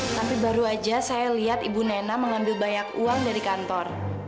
tapi baru saja saya lihat ibu nena mengambil banyak uang dari kantor